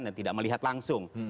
dan tidak melihat langsung